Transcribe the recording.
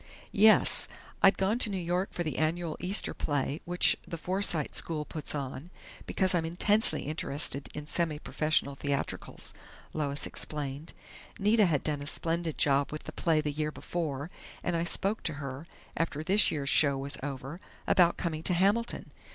"Yes. I'd gone to New York for the annual Easter Play which the Forsyte School puts on, because I'm intensely interested in semi professional theatricals," Lois explained. "Nita had done a splendid job with the play the year before, and I spoke to her, after this year's show was over, about coming to Hamilton.